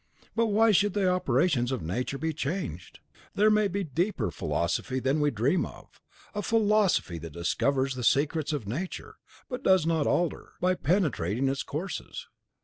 "But why should the operations of Nature be changed? There may be a deeper philosophy than we dream of, a philosophy that discovers the secrets of Nature, but does not alter, by penetrating, its courses."